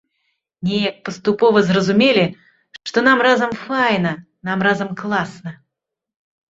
Неяк паступова зразумелі, што нам разам файна, нам разам класна.